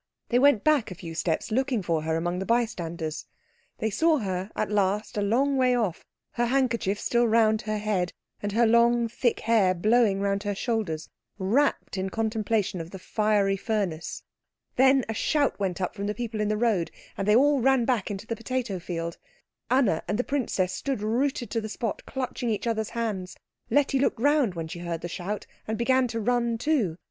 They went back a few steps, looking for her among the bystanders. They saw her at last a long way off, her handkerchief still round her head and her long thick hair blowing round her shoulders, rapt in contemplation of the fiery furnace. Then a shout went up from the people in the road, and they all ran back into the potato field. Anna and the princess stood rooted to the spot, clutching each other's hands. Letty looked round when she heard the shout, and began to run too.